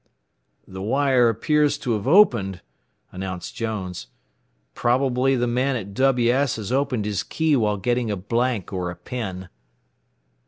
"The wire appears to have opened," announced Jones. "Probably the man at WS has opened his key while getting a blank or a pen."